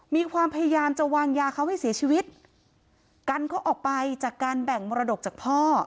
มีความพยายามจะวางยาเขาให้เสียชีวิตกันเขาออกไปจากการแบ่งมรดกจากพ่อ